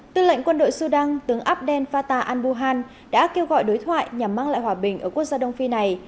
tư lệnh quân đội sudan tướng abdel fatah al buhan đã kêu gọi đối thoại nhằm mang lại hòa bình ở quốc gia đông phi này